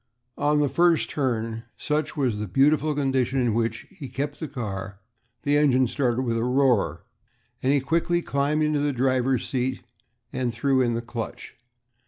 On the first turn, such was the beautiful condition in which he kept the car, the engine started with a roar, and he quickly climbed into the driver's seat and threw in the clutch.